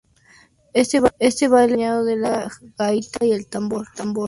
Este baile es acompañado de la gaita y el tambor.